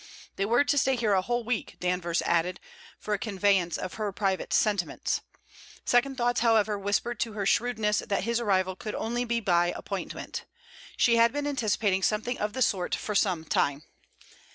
They were to stay here a whole week, Danvers added, for a conveyance of her private sentiments. Second thoughts however whispered to her shrewdness that his arrival could only be by appointment. She had been anticipating something of the sort for some time.